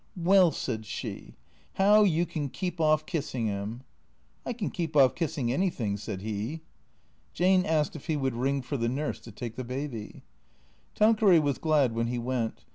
" Well," said she, " how you can keep orf kissin' 'im "" I can keep off kissing anything," said he. Jane asked if he would ring for the nurse to take the baby. Tanqueray was glad when he went.